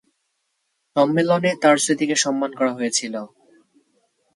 সম্মেলনে তার স্মৃতিকে সম্মান করা হয়েছিল।